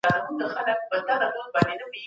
امام قرطبي په خپل کتاب کي مهم ټکي بیان کړي دي.